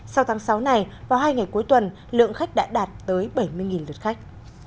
sau tháng sáu này vào hai ngày cuối tuần lượng khách đã đạt tới bảy mươi lượt khách